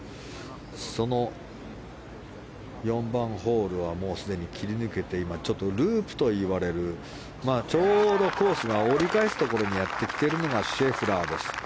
その４番ホールはすでに切り抜けて今、ループといわれるちょうどコースを折り返すところにやってきているのがシェフラーです。